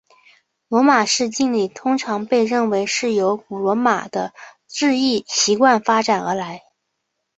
罗马式敬礼通常被认为是由古罗马的致意习惯发展而来。